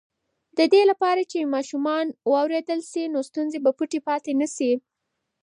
د دې لپاره چې ماشومان واورېدل شي، ستونزې به پټې پاتې نه شي.